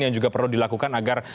yang juga perlu dilakukan agar